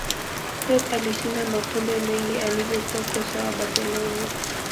pep alishinda makombe mengi alivyokuwa kocha wa barcelona